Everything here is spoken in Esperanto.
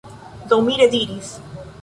Do mi rediris